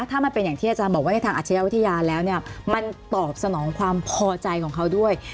ถ้ามันเป็นอย่างที่อาจารย์บอกว่าในทางอาชญาวิทยาแล้วเนี่ยมันตอบสนองความพอใจของเขาด้วย